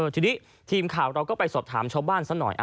ทีนี้ทีมข่าวเราก็ไปสอบถามชาวบ้านซะหน่อย